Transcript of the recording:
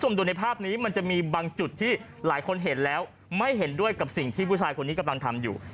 ดูในภาพนี้มันจะมีบางจุดที่หลายคนเห็นแล้วไม่เห็นด้วยกับสิ่งที่ผู้ชายคนนี้กำลังทำอยู่